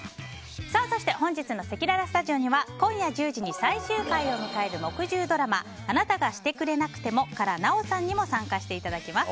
そして本日のせきららスタジオには今夜１０時に最終回を迎える木１０ドラマ「あなたがしてくれなくても」から奈緒さんにも参加していただきます。